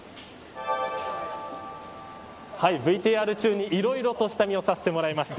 ＶＴＲ中に、いろいろと下見をさせてもらいました。